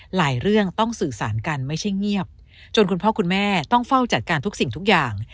เรื่องต้องสื่อสารกันไม่ใช่เงียบจนคุณพ่อคุณแม่ต้องเฝ้าจัดการทุกสิ่งทุกอย่าง